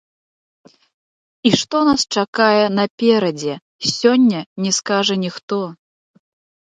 І што нас чакае наперадзе, сёння не скажа ніхто.